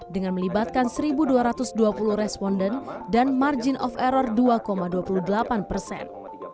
dengan melibatkan satu dua ratus dua puluh responden dan margin of error dua dua puluh delapan persen